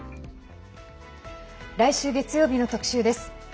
来週月曜日の特集です。